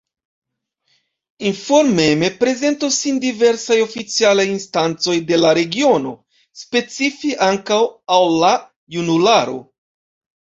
Informeme prezentos sin diversaj oficialaj instancoj de la regiono, specife ankaŭ al la junularo.